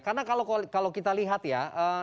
karena kalau kita lihat ya